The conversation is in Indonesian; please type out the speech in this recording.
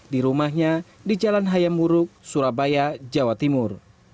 di rumahnya di jalan hayam murug surabaya jawa timur